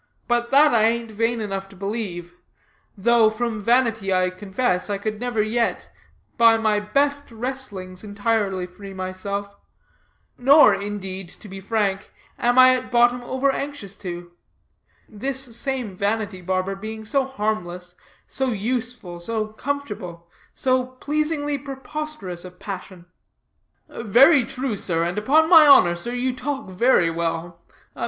But that I ain't vain enough to believe; though, from vanity, I confess, I could never yet, by my best wrestlings, entirely free myself; nor, indeed, to be frank, am I at bottom over anxious to this same vanity, barber, being so harmless, so useful, so comfortable, so pleasingly preposterous a passion." "Very true, sir; and upon my honor, sir, you talk very well.